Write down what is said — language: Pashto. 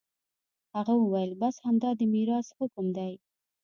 هغه وويل بس همدا د ميراث حکم دى.